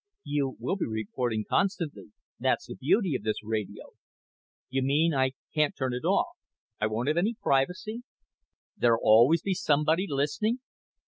"You will be reporting constantly. That's the beauty of this radio." "You mean I can't turn it off? I won't have any privacy? There'll always be somebody listening?"